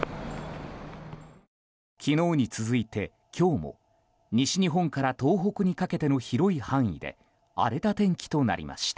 昨日に続いて今日も西日本から東北にかけての広い範囲で荒れた天気となりました。